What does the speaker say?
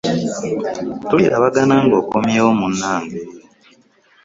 Tulirabagana ng'okumyeewo munange.